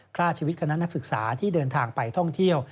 ฆ่าชีวิตคณะนักศึกษาที่เดินทางไปท่องเที่ยว